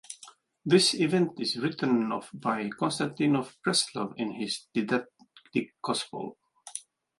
This event is written of by Constantine of Preslav in his "Didactic Gospel".